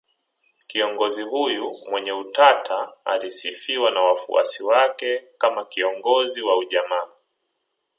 Kiongozi huyo mwenye utata alisifiwa na wafuasi wake kama kiongozi wa ujamaa